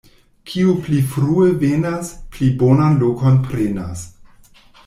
Kiu pli frue venas, pli bonan lokon prenas.